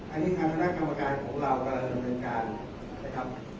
อันนี้คำสำรวจกรรมการของเราการลำเนินการครับ